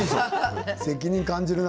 責任感じるな。